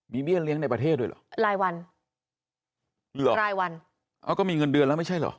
เบี้ยเลี้ยงในประเทศด้วยเหรอรายวันเหลือรายวันอ้าวก็มีเงินเดือนแล้วไม่ใช่เหรอ